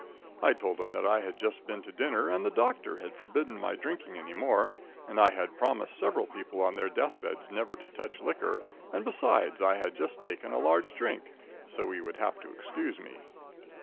I told him that I had just been to dinner, and the doctor had forbidden my drinking any more, and that I had promised several people on their death beds never to touch liquor, and besides, I had just taken a large drink, so he would have to excuse me.